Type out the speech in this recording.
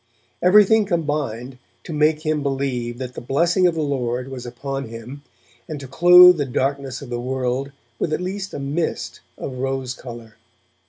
Everything combined to make him believe that the blessing of the Lord was upon him, and to clothe the darkness of the world with at least a mist of rose colour.